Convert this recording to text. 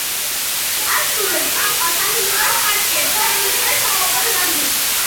ასრულებს წამყვან სასიმღერო პარტიებს თანამედროვე საოპერო დადგმებში.